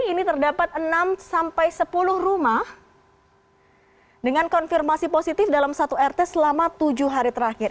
ini terdapat enam sampai sepuluh rumah dengan konfirmasi positif dalam satu rt selama tujuh hari terakhir